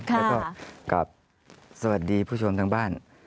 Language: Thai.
แล้วก็สวัสดีผู้ชมทั้งบ้าน